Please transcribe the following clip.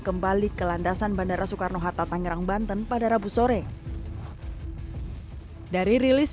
kembali ke landasan bandara soekarno hatta tangerang banten pada rabu sore dari rilis